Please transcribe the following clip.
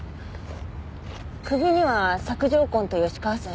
首には索状痕と吉川線。